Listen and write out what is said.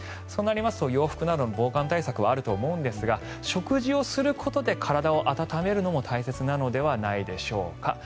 そうなりますと洋服などの防寒対策があると思うんですが食事をすることで体を温めるのも大切なのではないでしょうか。